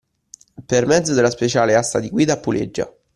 Per mezzo della speciale asta di guida a puleggia